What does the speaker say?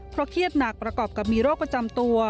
เพราะเครียดหนักประกอบกับมีโรคประจำตัว